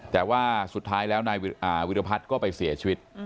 แต่ว่าสุดท้ายแล้วนายวิรพัฒน์ก็ไปเสียชีวิต